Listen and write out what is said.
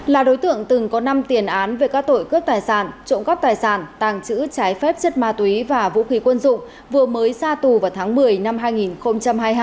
là đối tượng từng có năm tiền án về các tội cướp tài sản trộm cắp tài sản tàng trữ trái phép chất ma túy và vũ khí quân dụng vừa mới ra tù vào tháng một mươi năm hai nghìn hai mươi hai